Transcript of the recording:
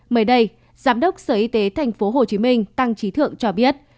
mới đây giám đốc sở y tế tp hcm tăng trí thượng cho biết